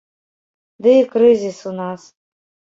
Ды і крызіс у нас.